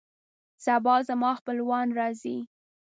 سبا زما خپلوان راځي